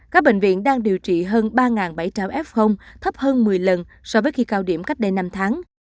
các bệnh viện đang điều trị hơn ba bảy trăm linh f thấp hơn một mươi lần so với khi cao điểm cách đây năm tháng